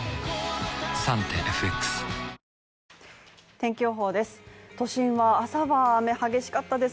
天気予報です。